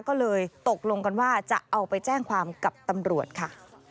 ก็เลยตกลงกันว่าจะเอาไปแจ้งความกับตำรวจค่ะ